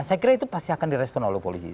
saya kira itu pasti akan direspon oleh polisi